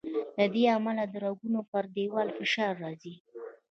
له دې امله د رګونو پر دیوال فشار راځي.